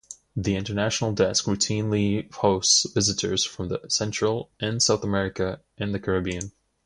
The International desk routinely hosts visitors from Central and South America and the Caribbean.